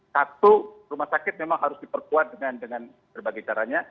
satu rumah sakit memang harus diperkuat dengan berbagai caranya